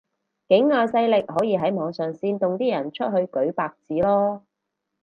境外勢力可以喺網上煽動啲人出去舉白紙囉